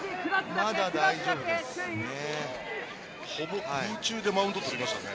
まだ大丈夫ですかね。